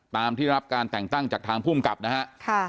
ตามที่รับการแต่งตั้งจากทางภูมิกับนะฮะ